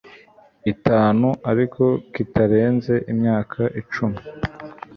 itanu ariko kitarenze imyaka icumi